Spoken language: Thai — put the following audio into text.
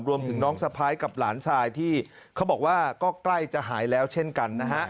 รวมถึงน้องสะพ้ายกับหลานชายที่เขาบอกว่าก็ใกล้จะหายแล้วเช่นกันนะฮะ